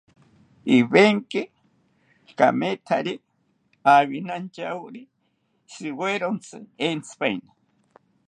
Ivenki okamethatzi awinantyawori shiwerontzi entzipaeni